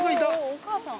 お母さん！